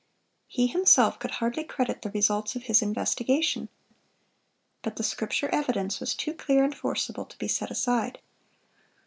He himself could hardly credit the results of his investigation. But the Scripture evidence was too clear and forcible to be set aside.